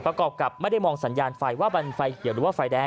กับไม่ได้มองสัญญาณไฟว่ามันไฟเขียวหรือว่าไฟแดง